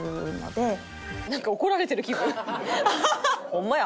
ホンマや。